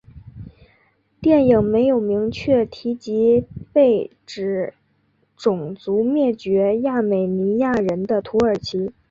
电影没有明确提及被指种族灭绝亚美尼亚人的土耳其。